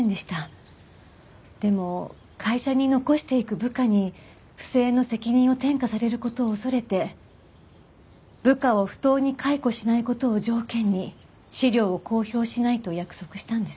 でも会社に残していく部下に不正の責任を転嫁される事を恐れて部下を不当に解雇しない事を条件に資料を公表しないと約束したんです。